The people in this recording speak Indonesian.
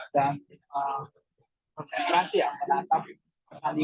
dan konsentrasi akan atap